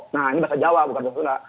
nah ini bahasa jawa bukan bahasa sunda